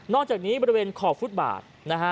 นอกจากนี้บริเวณขอบฟุตบาท